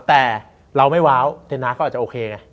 แต่เราไม่เว้าเทนทรัพย์ก็อาจจะโอเคไง